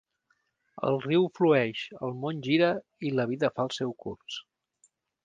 El riu flueix, el món gira i la vida fa el seu curs.